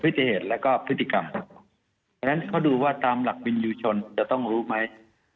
เพราะฉะนั้นเขาดูว่าตามหลักวิญญูชนจะต้องรู้ไหม